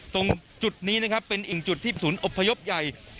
ตรงจุดนี้เป็นอีกจุดที่ฝรีศูนย์อบพยอบใหญ่